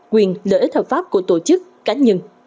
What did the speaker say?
quyền lợi ích hợp pháp của tổ chức cá nhân